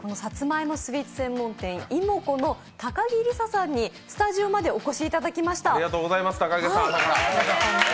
そして今日は、さつまいもスイーツ専門店いもこの高木りささんにスタジオまでお越しいただきました。